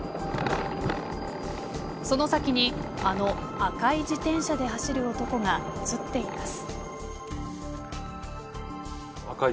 その先に、あの赤い自転車で走る男が映っています。